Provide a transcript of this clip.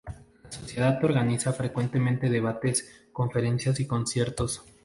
La sociedad organiza frecuentemente debates, conferencias y conciertos.